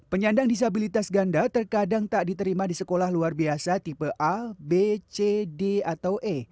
penyandang disabilitas ganda terkadang tak diterima di sekolah luar biasa tipe a b c d atau e